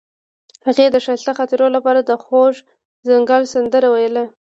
هغې د ښایسته خاطرو لپاره د خوږ ځنګل سندره ویله.